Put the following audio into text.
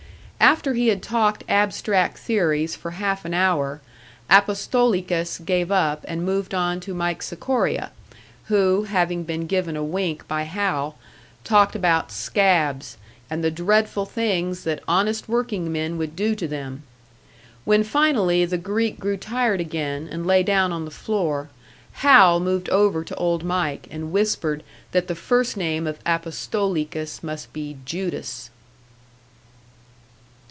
After he had talked abstract theories for half an hour, Apostolikas gave up and moved on to Mike Sikoria, who, having been given a wink by Hal, talked about "scabs," and the dreadful things that honest workingmen would do to them. When finally the Greek grew tired again, and lay down on the floor, Hal moved over to Old Mike and whispered that the first name of Apostolikas must be Judas!